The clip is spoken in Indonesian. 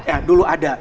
ya dulu ada